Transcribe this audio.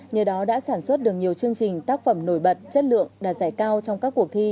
nhờ đó đã sản xuất được nhiều chương trình tác phẩm nổi bật chất lượng đạt giải cao trong các cuộc thi